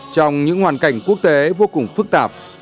trong những hoàn cảnh quốc tế vô cùng phức tạp